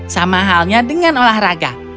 sama halnya dengan olahraga